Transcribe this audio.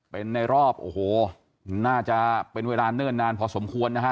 เป็นในรอบโอ้โหน่าจะเป็นเวลาเนิ่นนานพอสมควรนะฮะ